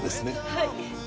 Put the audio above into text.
はい。